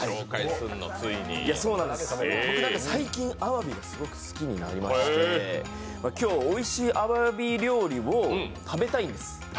僕、最近好きになりまして、今日おいしいあわび料理を食べたいんです。